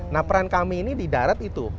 nah peran kami ini di darat itu